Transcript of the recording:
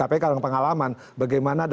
oh kenal frank